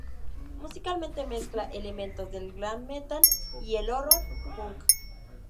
Musicalmente mezcla elementos del Glam metal y el Horror punk.